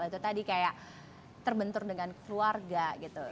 itu tadi kayak terbentur dengan keluarga gitu